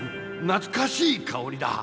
なつかしい香りだ。